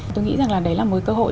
tôi nghĩ rằng là đấy là một cơ hội